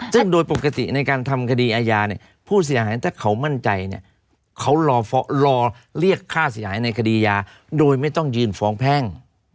ซึ่งโดยปกติในการทำคดีอาญาเนี่ยผู้เสียหายถ้าเขามั่นใจเนี่ยเขารอเรียกค่าเสียหายในคดียาโดยไม่ต้องยืนฟ้องแพ่ง